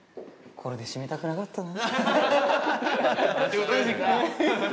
これで締めたくなかったな。